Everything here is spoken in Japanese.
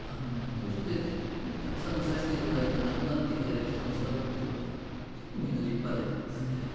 そしてたくさん見させていただいた亡くなっていかれる人の姿を見ていると結構みんな立派でですね。